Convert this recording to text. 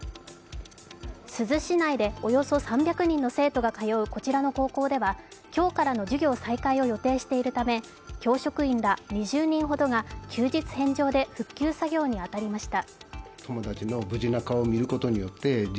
珠洲市内でおよそ３００人の生徒が通うこちらの高校では今日からの授業再開を予定しているため教職員ら２０人ほどが休日返上で復旧作業に当たりました。